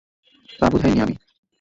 তা বুঝাইনি আমি।